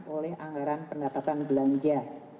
oleh anggaran pendapatan belanja